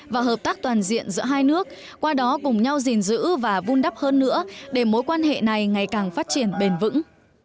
và hợp tác toàn diện giữa hai nước qua đó cùng nhau gìn giữ và vun đắp hơn nữa để mối quan hệ này ngày càng phát triển bền vững